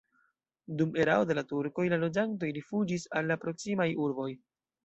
Dum erao de la turkoj la loĝantoj rifuĝis al la proksimaj urboj.